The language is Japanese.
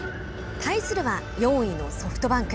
対するは４位のソフトバンク。